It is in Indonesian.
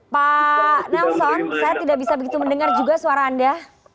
pak nelson saya tidak bisa begitu mendengar juga suara anda